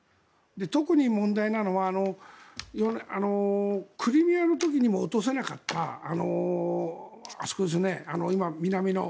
特に問題なのはクリミアの時にも落とせなかったマリウポリですか。